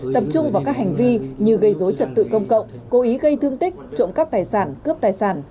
tập trung vào các hành vi như gây dối trật tự công cộng cố ý gây thương tích trộm cắp tài sản cướp tài sản